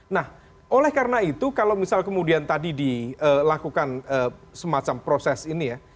nah oleh karena itu kalau misal kemudian tadi dilakukan semacam proses ini ya